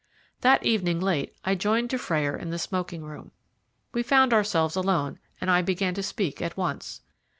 That evening late I joined Dufrayer in the smoking room. We found ourselves alone, and I began to speak at once.